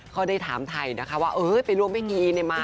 เขาได้ถามไทยนะคะว่าเออไปร่วมพี่อีเนมา